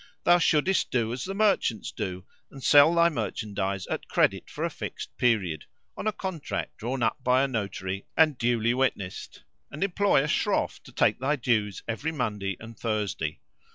Thou shouldest do as the merchants do and sell thy merchandise at credit for a fixed period, on a contract drawn up by a notary and duly witnessed; and employ a Shroff to take thy dues every Monday and Thursday.